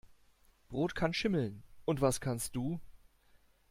Brot kann schimmeln. Und was kannst du?